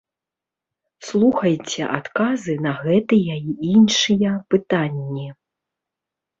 Слухайце адказы на гэтыя і іншыя пытанні.